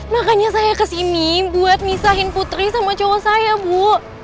makanya saya ke sini buat nisahin putri sama cowok saya bu